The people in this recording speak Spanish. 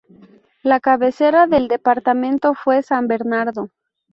La cabecera del departamento fue San Bernardo.